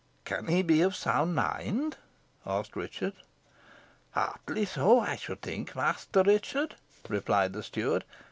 "Can he be of sound mind?" asked Richard. "Hardly so, I should think, Master Richard," replied the steward.